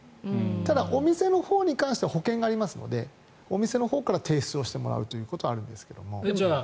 ただ、お店のほうに関しては保険がありますのでお店のほうから提出をしてもらうということはあるんですが。